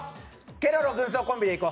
「ケロロ軍曹」コンビでいこう。